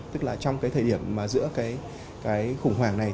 tức là trong cái thời điểm mà giữa cái khủng hoảng này